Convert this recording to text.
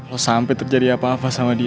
oh sampai terjadi apa apa sama dia